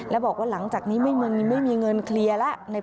แล้วบอกว่าหลังจากนี้ไม่มีเงินเคลียร์แล้ว